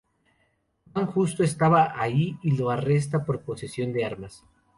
Vann justo estaba ahí y lo arresta por posesión de armas.